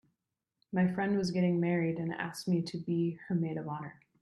My friend was getting married and asked me to be her maid of honor.